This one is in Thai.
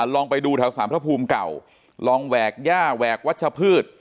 ลองไปดูแถวสารพระภูมิเก่าลองแหวกย่าแหวกวัชพืช